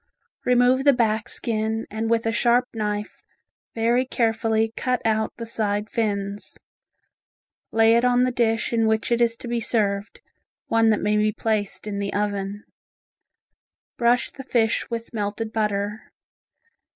Remove the back skin and with a sharp knife very carefully cut out the side fins, lay it on the dish in which it is to be served, one that may be placed in the oven. Brush the fish with melted butter.